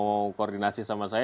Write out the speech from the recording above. mau koordinasi sama saya